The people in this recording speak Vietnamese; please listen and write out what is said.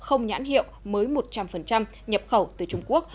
không nhãn hiệu mới một trăm linh nhập khẩu từ trung quốc